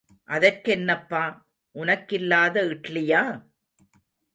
அதற்கென்னப்பா உனக்கில்லாத இட்லியா?